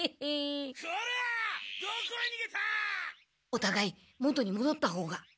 おたがい元にもどったほうが。